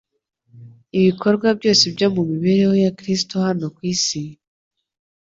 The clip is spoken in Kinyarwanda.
Ibikorwa byose byo mu mibereho ya Kristo hano ku isi,